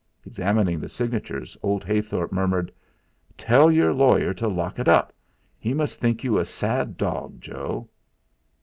Examining the signatures old Heythorp murmured: "Tell your lawyer to lock it up. He must think you a sad dog, Joe."